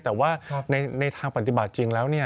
แต่ว่าในทางปฏิบัติจริงแล้ว